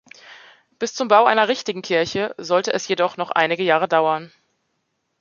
Bis zum Bau einer richtigen Kirche sollte es jedoch noch einige Jahre dauern.